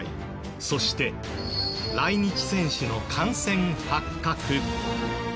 そして、来日選手の感染発覚。